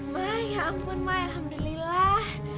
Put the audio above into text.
mai ya ampun mai alhamdulillah